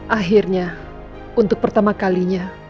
akhirnya untuk pertama kalinya